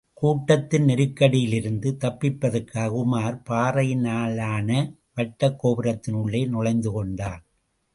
கூட்டத்தின் நெருக்கடியிலிருந்து தப்பிப்பதற்காக, உமார், பாறையினாலான வட்டக் கோபுரத்தின் உள்ளே நுழைந்து கொண்டான்.